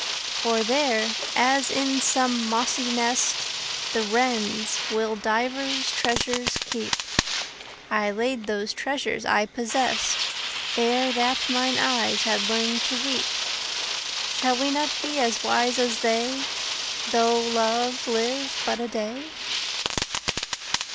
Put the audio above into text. For there, as in some mossy nest The wrens will divers treasures keep, I laid those treasures I possessed Ere that mine eyes had learned to weep. Shall we not be as wise as they Though love live but a day?